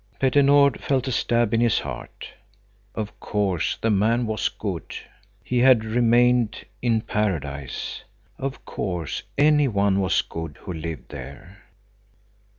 Petter Nord felt a stab in his heart. Of course the man was good. He had remained in paradise. Of course any one was good who lived there.